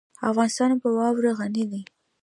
افغانستان په واوره غني دی.